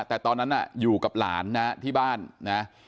แต่ตอนนั้นอยู่กับหลานนะที่บ้านนะ